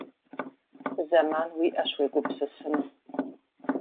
Зэман уиӀащ уегупсысыну.